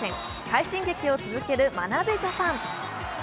快進撃を続ける眞鍋ジャパン。